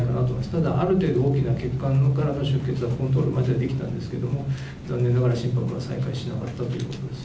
ただ、ある程度大きな血管からの出血はコントロールはできたんですけれども、残念ながら、心拍は再開しなかったというところです。